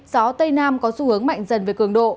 gió tây nam có xu hướng mạnh dần về cường độ